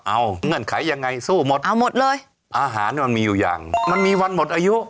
เอาเงื่อนไขยังไงสู้หมดเอาหมดเลยอาหารมันมีอยู่อย่างมันมีวันหมดอายุ